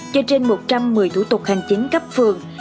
cho trên một trăm một mươi thủ tục hành chính cấp phường